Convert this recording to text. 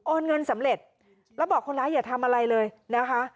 เงินสำเร็จแล้วบอกคนร้ายอย่าทำอะไรเลยนะคะ